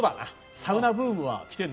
サウナブームは来てるの？